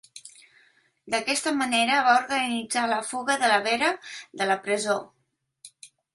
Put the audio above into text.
D'aquesta manera va organitzar la fuga de De Valera de la presó.